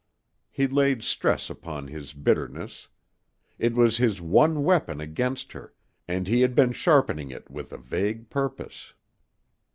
He laid stress upon his bitterness. It was his one weapon against her and he had been sharpening it with a vague purpose.